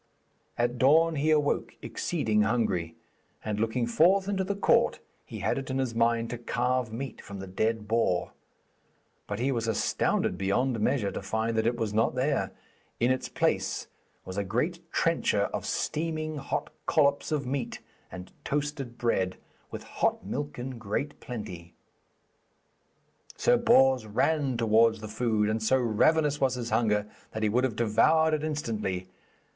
At the dawn he awoke, exceeding hungry, and looking forth into the court he had it in his mind to carve meat from the dead boar. But he was astounded beyond measure to find that it was not there. In its place was a great trencher of steaming hot collops of meat, and toasted bread, with hot milk in great plenty. Sir Bors ran towards the food, and so ravenous was his hunger that he would have devoured it instantly.